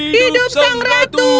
hidup sang ratu